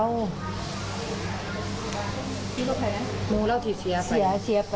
ซิรวะแผลหนูเล่าที่เศียไป